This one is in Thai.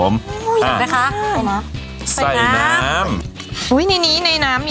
แบบนี้ใช่มั้ย